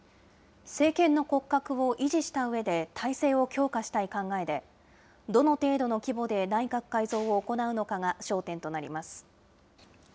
政権の骨格を維持したうえで体制を強化したい考えで、どの程度の規模で、内閣改造を行うのかが焦点となります。